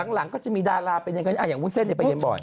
หลังก็จะมีดาราเป็นอย่างนั้นอย่างวุ้นเส้นไปเรียนบ่อย